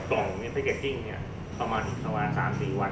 กล่องแพ็กเกจจิ้งประมาณอีก๓๔วัน